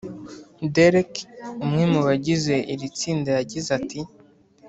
Derek umwe mu bagize iri tsinda yagize ati